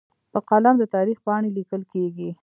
په قلم د تاریخ پاڼې لیکل کېږي.